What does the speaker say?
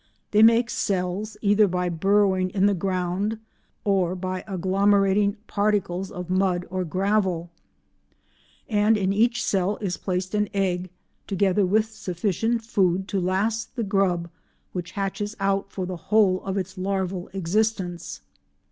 They make cells, either by burrowing in the ground or by agglomerating particles of mud or gravel, and in each cell is placed an egg together with sufficient food to last the grub which hatches out for the whole of its larval existence.